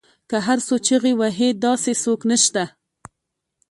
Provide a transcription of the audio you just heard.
که هر څو چیغې وهي داسې څوک نشته